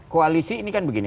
koalisi ini kan begini